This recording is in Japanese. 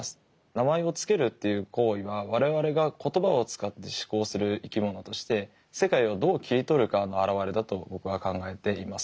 名前を付けるっていう行為は我々が言葉を使って思考する生き物として世界をどう切り取るかの表れだと僕は考えています。